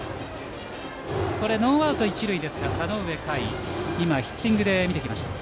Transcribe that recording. ノーアウト一塁ですから田上夏衣はヒッティングで見ていきました。